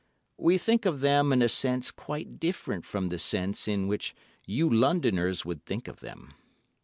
We think of them in a sense quite different from the sense in which you Londoners would think of them.